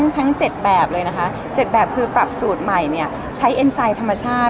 ทั้ง๗แบบเลยนะคะ๗แบบคือปรับสูตรใหม่เนี่ยใช้เอ็นไซด์ธรรมชาติ